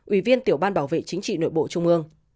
ủy viên tiểu ban bảo vệ chính trị nội bộ trung ương